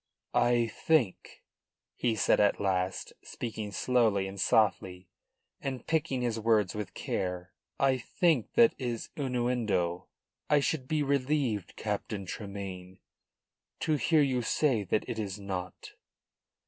"I think," he said at last, speaking slowly and softly, and picking his words with care, "I think that is innuendo. I should be relieved, Captain Tremayne, to hear you say that it is not."